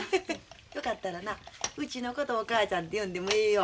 よかったらなうちのことお母ちゃんて呼んでもええよ。